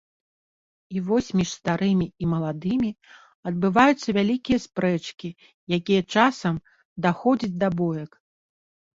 І вось між старымі і маладымі адбываюцца вялікія спрэчкі, якія часам даходзяць да боек.